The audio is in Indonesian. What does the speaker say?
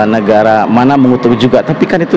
negara mana mengetahui juga tapi kan itu